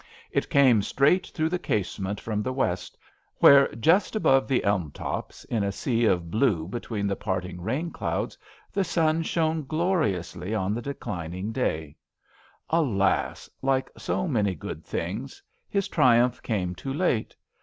It came straight through the casement from the west, where, just above the elm tops, in a sea of blue between the parting rain clouds, the sun shone gloriously on the declining day* Alas I like so many good things, his triumph came too late.